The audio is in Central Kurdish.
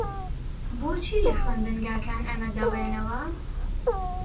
بۆچی لە خوێندنگەکان ئەمە دەڵێنەوە؟